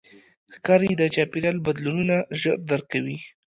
ښکاري د چاپېریال بدلونونه ژر درک کوي.